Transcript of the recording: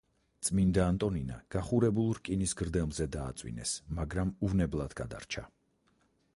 წმინდა ანტონინა გახურებულ რკინის გრდემლზე დააწვინეს, მაგრამ უვნებლად გადარჩა.